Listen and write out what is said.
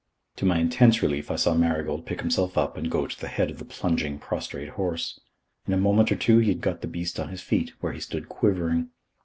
To my intense relief I saw Marigold pick himself up and go to the head of the plunging, prostrate horse. In a moment or two he had got the beast on his feet, where he stood quivering.